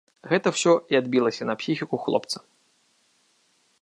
Гэта ўсё і адбілася на псіхіку хлопца.